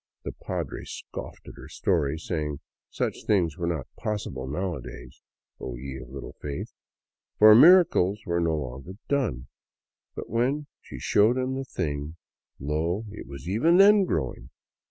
The padre scoffed at her story, saying such things were not possible nowadays — O ye of little faith! — for miracles were no longer done. But when she showed him the thing, lo, it was even then growing